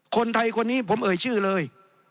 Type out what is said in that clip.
คนไทยคนนี้ผมเอ่ยชื่อเลย